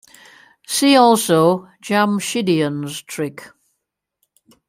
See also Jamshidian's trick.